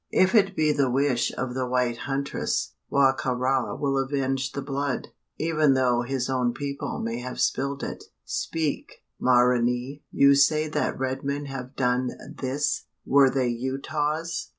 "If it be the wish of the white huntress, Wa ka ra will avenge the blood even though his own people may have spilled it. Speak, Ma ra nee! You say that red men have done this were they Utahs?"